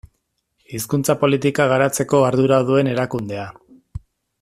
Hizkuntza politika garatzeko ardura duen erakundea.